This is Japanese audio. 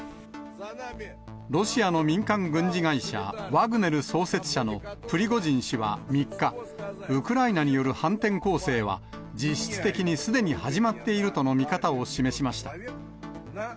ロシアの民間軍事会社、ワグネル創設者のプリゴジン氏は３日、ウクライナによる反転攻勢は、実質的にすでに始まっているとの見方を示しました。